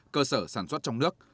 cơ sở sản xuất trong nước